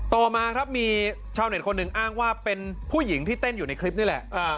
ต่อมาครับมีชาวเน็ตคนหนึ่งอ้างว่าเป็นผู้หญิงที่เต้นอยู่ในคลิปนี่แหละ